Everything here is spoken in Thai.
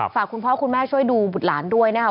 คุณพ่อคุณแม่ช่วยดูบุตรหลานด้วยนะครับ